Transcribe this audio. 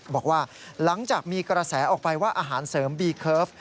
บอกว่าหลังจากมีกระแสออกไปว่าอาหารเสริมบีเคิร์ฟ